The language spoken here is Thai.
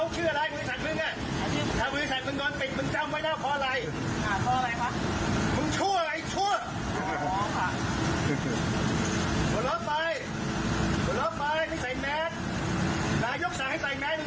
เชื่ออะไรเชื่ออะไรคุณเชื่ออะไรจดคลิปไว้หมดเลย